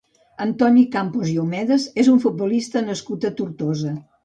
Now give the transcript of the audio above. Antoni Campos i Homedes és un futbolista nascut a Tortosa.